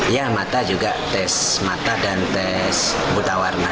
ya mata juga tes mata dan tes buta warna